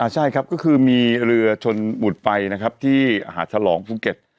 ใช่ครับก็คือมีเรือชนบุดไฟนะครับที่หาดฉลองภูเก็ต